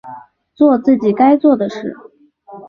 作自己该做的事